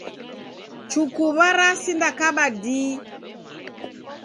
Chukuw'a rasindakaba dii.